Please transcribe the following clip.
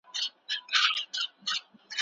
کله حکومتي چارواکي شتمني ثبتوي؟